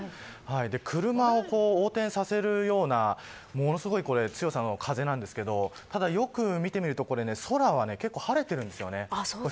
車を横転させるようなものすごい強さの風なんですけどただ、よく見てみると空は結構晴れているんですよね。